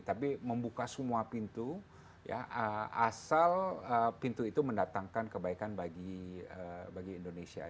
tapi membuka semua pintu asal pintu itu mendatangkan kebaikan bagi indonesia